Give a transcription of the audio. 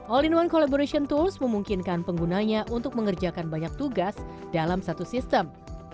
all in one collaboration tools memungkinkan penggunanya untuk mengerjakan banyak tugas dalam satu sistem